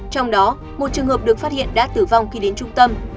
trong đó một trường hợp được phát hiện đã tử vong khi đến trung tâm